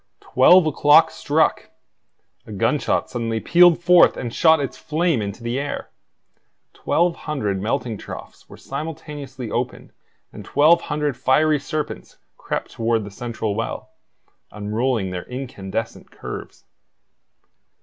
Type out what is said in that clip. Twelve o'clock struck! A gunshot suddenly pealed forth and shot its flame into the air. Twelve hundred melting troughs were simultaneously opened and twelve hundred fiery serpents crept toward the central well, unrolling their incandescent curves.